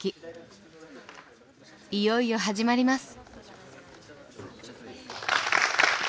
いよいよ始まります。